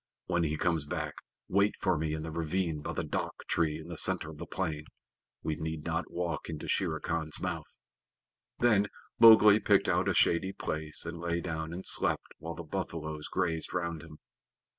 When he comes back wait for me in the ravine by the dhak tree in the center of the plain. We need not walk into Shere Khan's mouth." Then Mowgli picked out a shady place, and lay down and slept while the buffaloes grazed round him.